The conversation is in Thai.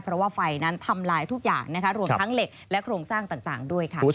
เพราะว่าไฟนั้นทำลายทุกอย่างรวมทั้งเหล็กและโครงสร้างต่างด้วยค่ะ